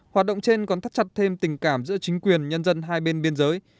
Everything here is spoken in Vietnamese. hoạt động trên còn thắt chặt thêm tình cảm giữa chính quyền nhân dân hai bên biên giới